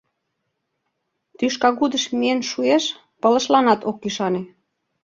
Тӱшкагудыш миен шуэш — пылышланат ок ӱшане.